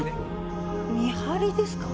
見張りですか？